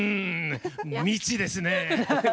未知ですね。